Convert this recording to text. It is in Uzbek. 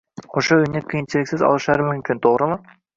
oʻsha uyni qiyinchiliksiz olishlari mumkin, toʻgʻrimi?